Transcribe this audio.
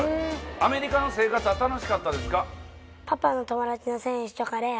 アメリカの生活は楽しかったですか？